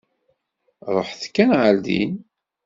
Ṛuḥet kan ɣer din.